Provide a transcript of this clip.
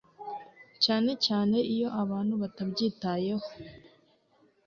cyane cyane iyo abantu batabyitayeho